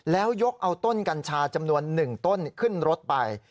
แล้วยกเอาต้นกัญชาจำนวน๑ต้นขึ้นรถไป